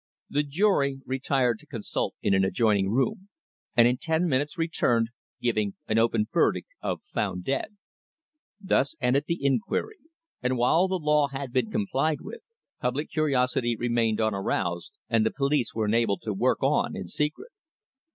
The jury retired to consult in an adjoining room, and in ten minutes returned, giving an open verdict of "Found dead." Thus ended the inquiry, and while the law had been complied with, public curiosity remained unaroused, and the police were enabled to work on in secret.